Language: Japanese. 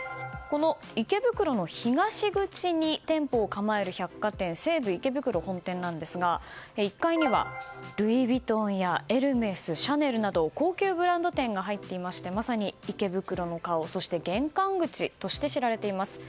池袋の東口に店舗を構える百貨店西武池袋本店なんですが１階にはルイ・ヴィトンやエルメス、シャネルなど高級ブランド店が入っていましてまさに池袋の顔そして玄関口として知られています。